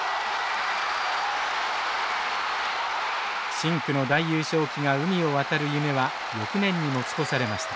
深紅の大優勝旗が海を渡る夢は翌年に持ち越されました。